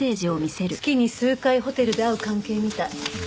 月に数回ホテルで会う関係みたい。